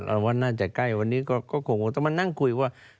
เราว่าน่าจะใกล้วันนี้ก็คงต้องมานั่งคุยว่า